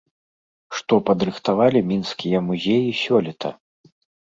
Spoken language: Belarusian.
Што падрыхтавалі мінскія музеі сёлета?